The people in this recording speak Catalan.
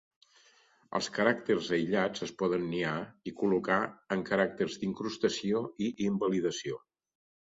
Els caràcters aïllats es poden niar i col·locar en caràcters d'incrustació i invalidació.